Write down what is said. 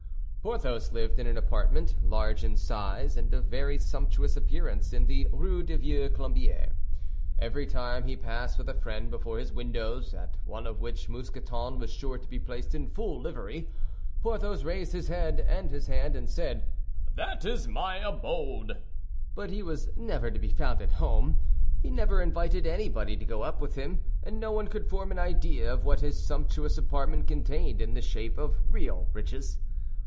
Porthos lived in an apartment, large in size and of very sumptuous appearance, in the Rue du Vieux Colombier. Every time he passed with a friend before his windows, at one of which Mousqueton was sure to be placed in full livery, Porthos raised his head and his hand, and said, "That is my abode!" But he was never to be found at home; he never invited anybody to go up with him, and no one could form an idea of what his sumptuous apartment contained in the shape of real riches.